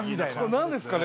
何ですかね